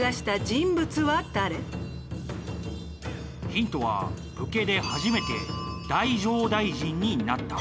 ヒントは武家で初めて太政大臣になった。